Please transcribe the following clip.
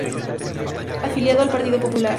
Afiliado al Partido Popular.